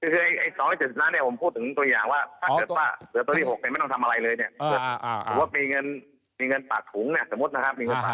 คือ๒๗๐ล้านเนี่ยผมพูดถึงตัวอย่างว่าถ้าเกิดเกิดตัวที่๖ไม่ต้องทำอะไรเลยเนี่ย